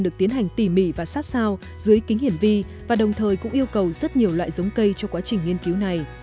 được tiến hành tỉ mỉ và sát sao dưới kính hiển vi và đồng thời cũng yêu cầu rất nhiều loại giống cây cho quá trình nghiên cứu này